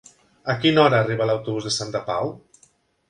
A quina hora arriba l'autobús de Santa Pau?